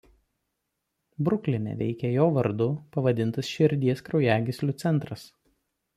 Brukline veikia jo vardu pavadintas širdies kraujagyslių centras.